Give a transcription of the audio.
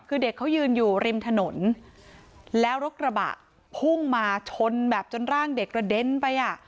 คือเด็กเขายืนอยู่ริมถนนแล้วรถกระบะพุ่งมาชนแบบจนร่างเด็กกระเด็นไปอ่ะ